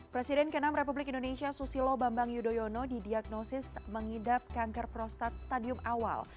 presiden ke enam republik indonesia susilo bambang yudhoyono didiagnosis mengidap kanker prostat stadium awal